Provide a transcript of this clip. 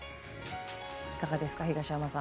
いかがですか、東山さん。